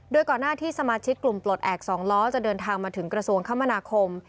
โดยก่อนหน้าที่สมาชิกกลุ่มปลดแอบสองล้อจะเดินทางมาถึงกระทรวงคมนาคม